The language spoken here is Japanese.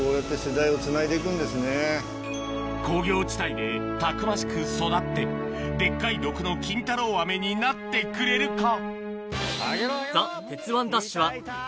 工業地帯でたくましく育ってデッカい毒の金太郎飴になってくれるか？